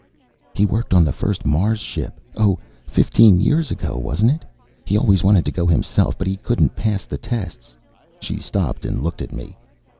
"He worked on the first Mars ship. Oh, fifteen years ago, wasn't it? He always wanted to go himself, but he couldn't pass the tests." She stopped and looked at me.